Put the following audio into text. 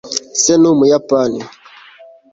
se ni umuyapani